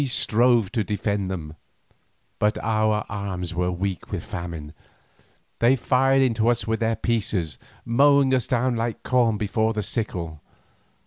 We strove to defend them, but our arms were weak with famine. They fired into us with their pieces, mowing us down like corn before the sickle.